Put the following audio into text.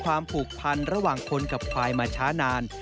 ผูกพันระหว่างคนกับควายมาช้านาน